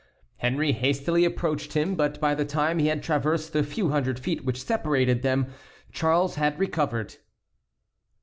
Henry hastily approached him, but by the time he had traversed the few hundred feet which separated them, Charles had recovered.